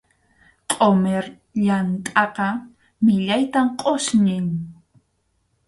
Qʼumir yamtʼaqa millaytam qʼusñin.